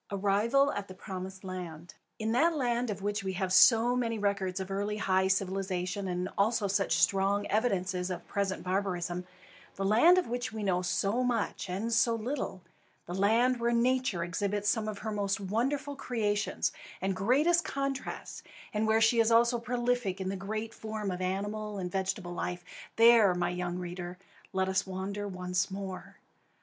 ARRIVAL AT THE PROMISED LAND. In that land of which we have so many records of early and high civilisation, and also such strong evidences of present barbarism, the land of which we know so much and so little, the land where Nature exhibits some of her most wonderful creations and greatest contrasts, and where she is also prolific in the great forms of animal and vegetable life, there, my young reader, let us wander once more.